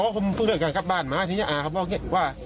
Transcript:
อ๋อผมพึ่งเดินกลางกลับบ้านมาที่นี่อ่าครับบอกว่า